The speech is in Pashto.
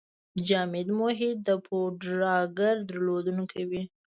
جامد محیط د پوډراګر درلودونکی وي.